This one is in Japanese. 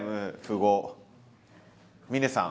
峰さん。